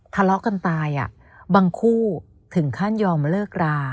ทะเลาะกันตายบางคู่ถึงขั้นยอมเลิกรา